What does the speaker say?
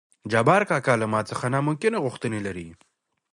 جبار کاکا له ما څخه نامکنه غوښتنه لري.